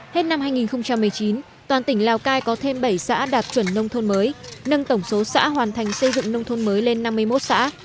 hết năm hai nghìn một mươi chín toàn tỉnh lào cai có thêm bảy xã đạt chuẩn nông thôn mới nâng tổng số xã hoàn thành xây dựng nông thôn mới lên năm mươi một xã